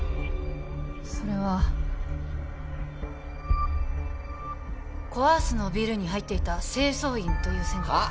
それはコ・アースのビルに入っていた清掃員という線からですはっ